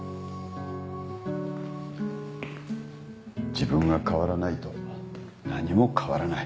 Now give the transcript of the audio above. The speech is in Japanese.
自分が変わらないと何も変わらない。